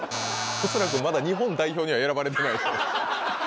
⁉恐らくまだ日本代表には選ばれてない。